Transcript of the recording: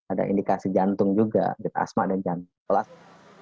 ada indikasi jantung juga bit asma dan jantung